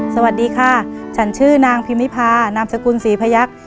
สวัสดีค่ะฉันชื่อนางพิมิพานามสกุลศรีพยักษ์